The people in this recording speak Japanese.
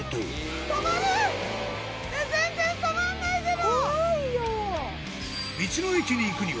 全然止まんないけど！